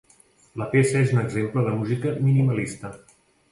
La peça és un exemple de música minimalista.